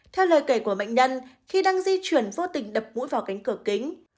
theo lời kể của bệnh nhân khi đang di chuyển vô tình đập mũi vào cánh cửa kính